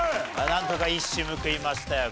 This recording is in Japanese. なんとか一矢報いましたよ。